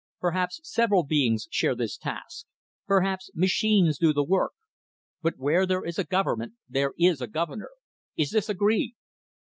Perhaps several beings share this task; perhaps machines do the work. But where there is a government, there is a governor. Is this agreed?"